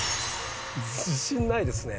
自信ないですね。